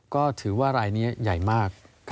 ก็ถือว่ารายนี้ใหญ่มาก